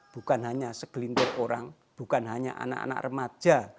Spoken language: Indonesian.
bukan hanya segelintir orang bukan hanya anak anak remaja